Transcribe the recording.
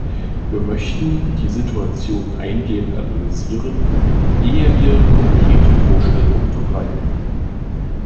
Wir möchten die Situation eingehend analysieren, ehe wir konkrete Vorschläge unterbreiten.